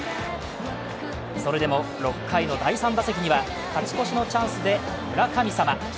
それでも６回の第３打席には勝ち越しのチャンスで村神様。